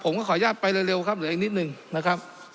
ผมก็ขออนุญาตไปเร็วครับเหลืออีกนิดนึงนะครับ